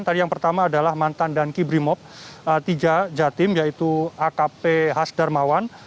tadi yang pertama adalah mantan danki brimob tiga jatim yaitu akp hasdarmawan